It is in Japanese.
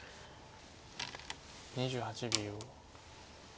２８秒。